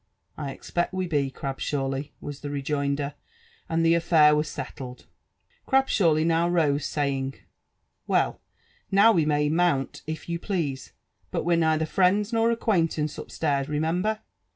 '*' I expect we be, Crabshawly/' was tbe rejoinder, and the affair was sellled. Crabshawly now rose, saying, Well, now we may mount if you please : but we're neither friends nor acquaintance upstairs, remember.''